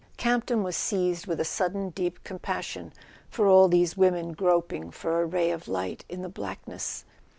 Campton was seized with a sudden deep compas¬ sion for all these women groping for a ray of light in the blackness.